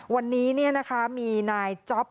วันนี้มีนายจ๊อป